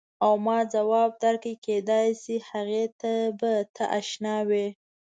او ما ځواب درکړ کېدای شي هغې ته به ته اشنا وې.